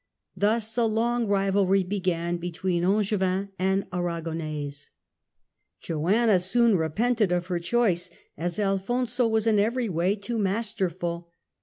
Thus a long rivalry began between Angevin and Aragonese. Joanna soon repented of her choice, as Alfonso was in every way too masterful.